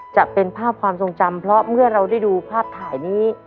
จะเป็นภาพความทรงจำเพราะเมื่อเราได้ดูภาพถ่ายนี้